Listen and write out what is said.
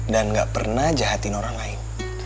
dan gak pernah jahatin orang lain